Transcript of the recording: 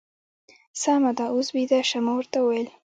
سمه ده، اوس بېده شه. ما ورته وویل.